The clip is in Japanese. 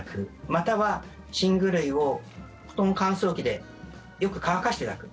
または、寝具類を布団乾燥機でよく乾かしていただく。